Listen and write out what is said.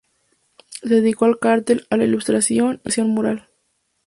Se dedicó al cartel, a la ilustración y a la decoración mural.